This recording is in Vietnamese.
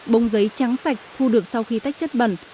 bông giấy trắng sạch thu được sau khi tách chất bẩn